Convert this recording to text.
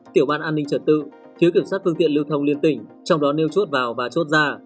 tiểu ban an ninh trật tự thiếu kiểm soát phương tiện lưu thông liên tỉnh trong đó nêu chốt vào ba chốt ra